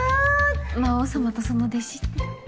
魔王様とその弟子って。